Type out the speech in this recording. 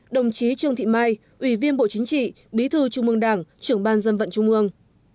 đồng chí trương thị mai ủy viên bộ chính trị bí thư trung mương đảng trưởng ban dân vận trung ương